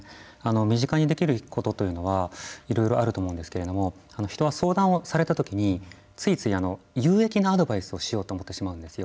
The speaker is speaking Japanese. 身近にできることというのはいろいろあると思うんですけれども人は相談をされたときについつい有益なアドバイスをしようと思ってしまうんですよ。